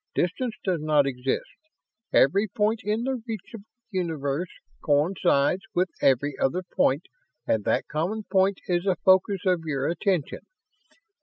Distance does not exist every point in the reachable universe coincides with every other point and that common point is the focus of your attention.